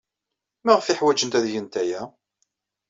Maɣef ay ḥwajent ad gent aya?